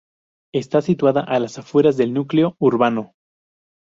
Está situada a las afueras del núcleo urbano.